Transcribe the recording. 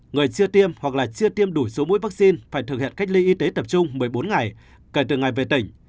người chưa tiêm hoặc là chưa tiêm đủ số mũi vaccine phải thực hiện cách ly y tế tập trung một mươi bốn ngày kể từ ngày về tỉnh